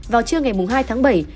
vào trưa ngày hai tháng bảy